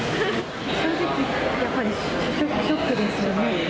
正直、やっぱりショックですよね。